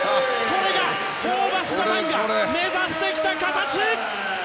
これが、ホーバスジャパンが目指してきた形！